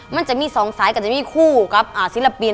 มันจะมี๒สายก็จะมีคู่กับศิลปิน